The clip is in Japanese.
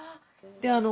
であの。